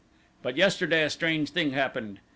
"But yesterday a strange thing happened.